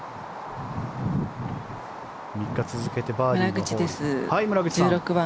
３日続けてバーディーのホール。